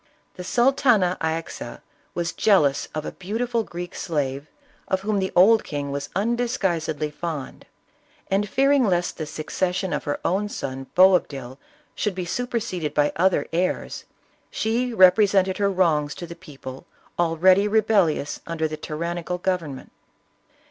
The Sultana Ayxa was jealous of a beautiful Greek slave, of whom the old king was undisguisedly fond, and fearing lest the succession of her own son Boabdil should be superseded by other heirs, she represented her wrongs to the people already rebellious under the tyrannical government.